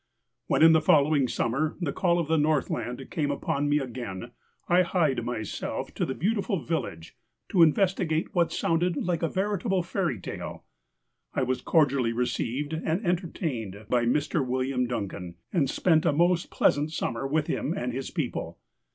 When, in the following summer, the call of the North land came upon me again, I hied myself to the beautiful village, to investigate what sounded like a veritable fairy tale. I was cordially received and entertained by Mr. "Will iam Duncan, and spent a most pleasant summer with him and his people.